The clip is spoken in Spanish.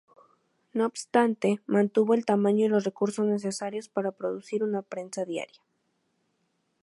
No obstante, mantuvo el tamaño y los recursos necesarios para producir una prensa diaria.